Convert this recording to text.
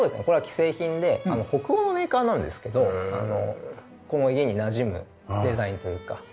これは既製品で北欧のメーカーなんですけどあのこの家になじむデザインというか。